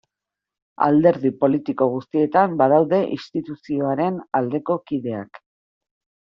Alderdi politiko guztietan badaude instituzioaren aldeko kideak.